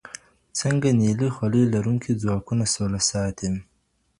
څنګه نیلي خولۍ لرونکي ځواکونه سوله ساتي؟